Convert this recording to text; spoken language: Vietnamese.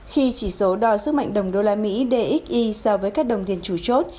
khi chỉ số đo sức mạnh đồng đô la mỹ dxi so với các đồng tiền chủ chốt